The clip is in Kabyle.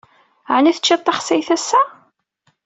Ɛni teččiḍ taxsayt ass-a?